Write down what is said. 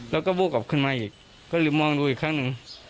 แล้วก็บวกออกขึ้นมาอีกก็ลืมมองดูอีกครั้งหนึ่ง